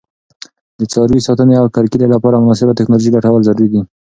د څاروي ساتنې او کرکیلې لپاره مناسبه تکنالوژي لټول ضروري دي.